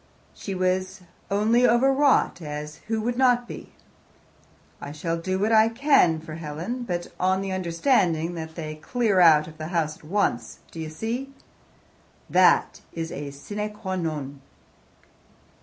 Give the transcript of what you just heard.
She was only over wrought, as who would not be? I shall do what I can for Helen, but on the understanding that they clear out of the house at once. Do you see? That is a sine qua non."